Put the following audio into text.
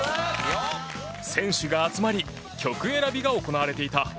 選手が集まり曲選びが行われていた。